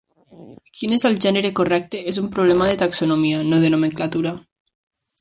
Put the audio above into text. Quin es el gènere correcte és un problema de taxonomia, no de nomenclatura.